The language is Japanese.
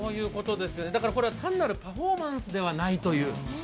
これは単なるパフォーマンスではないということですね。